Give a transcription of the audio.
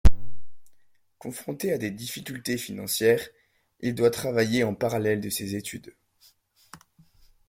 Confronté à des difficultés financières, il doit travailler en parallèle de ses études.